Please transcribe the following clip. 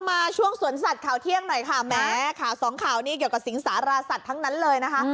มาช่วงสวนสัตว์ข่าวเที่ยงหน่อยค่ะแม้ข่าวสองข่าวนี้เกี่ยวกับสิงสาราสัตว์ทั้งนั้นเลยนะคะ